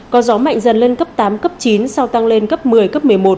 có gió mạnh dần lên cấp tám cấp chín sau tăng lên cấp một mươi cấp một mươi một